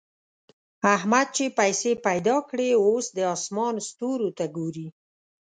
احمد چې پيسې پیدا کړې؛ اوس د اسمان ستورو ته ګوري.